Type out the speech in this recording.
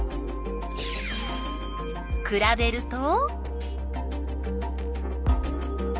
くらべると？